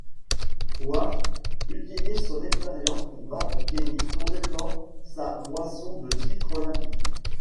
Hoy utilise son expérience pour battre Kenny, complétant sa moisson de titres olympiques.